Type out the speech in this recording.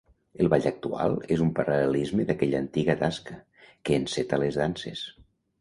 El ball actual és un paral·lelisme d'aquella antiga tasca, que enceta les danses.